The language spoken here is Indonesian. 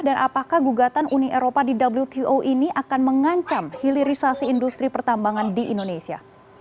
dan apakah gugatan uni eropa di wto ini akan mengancam hilirisasi industri pertambangan di indonesia